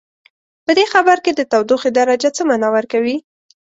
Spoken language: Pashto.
په دې خبر کې د تودوخې درجه څه معنا ورکوي؟